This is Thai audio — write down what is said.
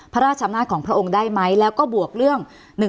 พระราชอำนาจของพระองค์ได้ไหมแล้วก็บวกเรื่อง๑๕